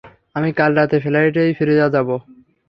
আমি কাল রাতের ফ্লাইটেই ফিরে যাব।